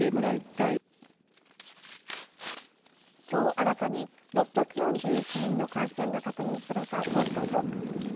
きょう新たに６４１人の感染が確認された東京都。